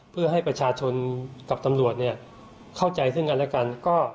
เพื่อให้ประชาชนกับตำรวจเข้าใจซึ่งกันและกัน